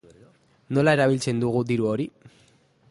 Nola erabiltzen dugu diru hori?